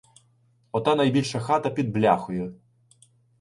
— Ота найбільша хата під бляхою.